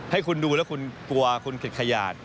ให้คุณดูแล้วคุณกลัวคุณผิดขยาด